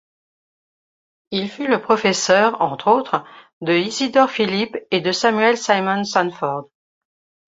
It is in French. Il fut le professeur, entre autres, de Isidore Philipp et de Samuel Simons Sanford.